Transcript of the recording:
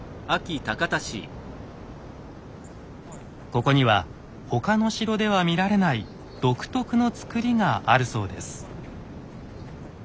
ここには他の城では見られない独特の造りがあるそうです。